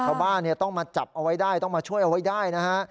ชาวบ้านต้องมาจับเอาไว้ได้ต้องมาช่วยเอาไว้ได้นะฮะ